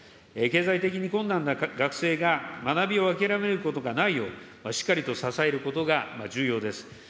経済的に困難な学生が学びを諦めることがないようしっかりと支えることが重要です。